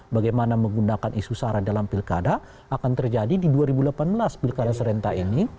bagaimana menggunakan isu sara dalam pilkada akan terjadi di dua ribu delapan belas pilkada serentak ini